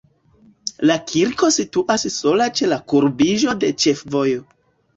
La kirko situas sola ĉe kurbiĝo de ĉefvojo.